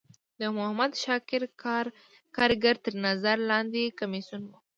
د محمد شاکر کارګر تر نظر لاندی کمیسیون و.